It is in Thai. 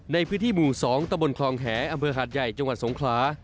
ในพื้นที่หมู่๒ตะบนคลองแหอำเภอหาดใหญ่จังหวัดสงขลา